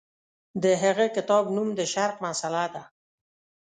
د هغه کتاب نوم د شرق مسأله ده.